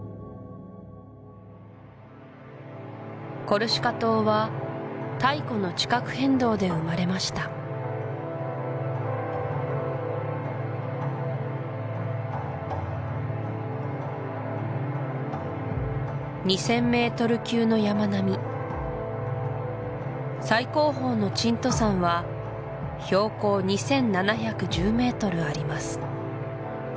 コルシカ島は太古の地殻変動で生まれました２０００ｍ級の山並み最高峰のチント山は標高２７１０ｍあります